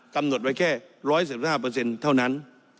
กำหนดไว้แค่๑๑๕เท่านั้น